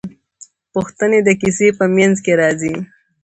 پوښتنې د کیسې په منځ کې راځي.